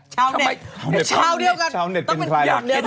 ชาวเน็ต